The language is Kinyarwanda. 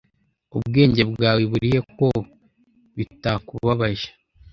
Ubwenge bwawe burihe ko bitakubabaje?